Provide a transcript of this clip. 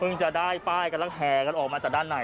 เพิ่งจะได้ป้ายกันและแทรกกันออกมาจากด้านใน